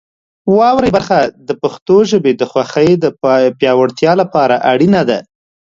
واورئ برخه د پښتو ژبې د خوښۍ د پیاوړتیا لپاره اړینه ده.